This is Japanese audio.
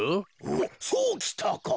おっそうきたか。